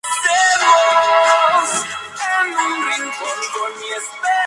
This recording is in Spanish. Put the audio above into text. Horthy, a pesar de sus promesas al monarca, se opuso a la restauración.